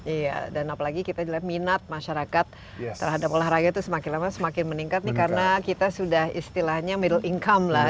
iya dan apalagi kita juga minat masyarakat terhadap olahraga itu semakin lama semakin meningkat nih karena kita sudah istilahnya middle income lah